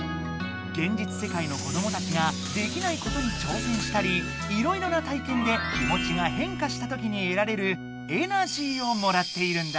現実世界の子どもたちができないことに挑戦したりいろいろな体験で気もちがへんかしたときにえられる「エナジー」をもらっているんだ。